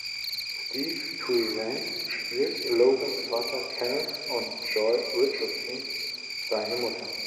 Steve Toussaint spielt Logans Vaters Kenneth und Joy Richardson seine Mutter.